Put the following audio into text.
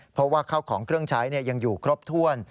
เพราะว่าเข้าของเครื่องใช้ยังอยู่ครบถ้วน